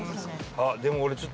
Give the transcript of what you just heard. あっでも俺。